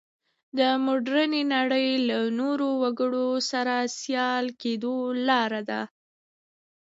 د مډرنې نړۍ له نورو وګړو سره سیال کېدو لاره ده.